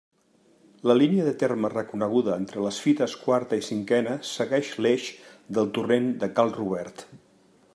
La línia de terme reconeguda entre les fites quarta i cinquena segueix l'eix del torrent de Cal Robert.